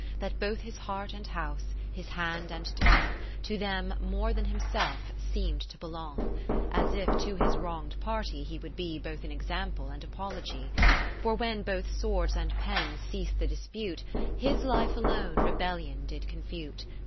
That both his heart and house, his hand and tongue, To them, more than himself, seem'd to belong ; 40 As if to his wrong'd party he would be Both an example and apology : For when both swords and pens ceas'd the dispute, His life alone Rebellion did confute.